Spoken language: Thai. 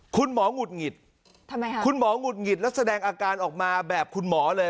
คุณหมอหงุดหงิดทำไมคะคุณหมอหงุดหงิดและแสดงอาการออกมาแบบคุณหมอเลย